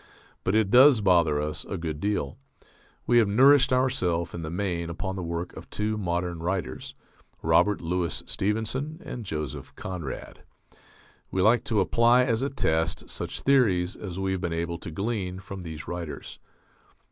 But it does bother us a good deal. We have nourished ourself, in the main, upon the work of two modern writers: Robert Louis Stevenson and Joseph Conrad; we like to apply as a test such theories as we have been able to glean from those writers.